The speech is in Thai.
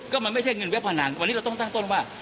ก็มันไม่ใช่เงินเว็บพนันวันนี้เราต้องตั้งต้นว่า